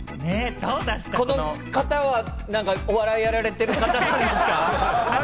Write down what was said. この方は何かお笑いやられてる方ですか？